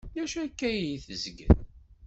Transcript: D acu akka ay tezgel?